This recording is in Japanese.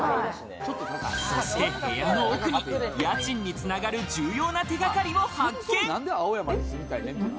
そして部屋の奥に家賃に繋がる重要な手がかりを発見。